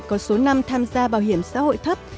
có số năm tham gia bảo hiểm xã hội thấp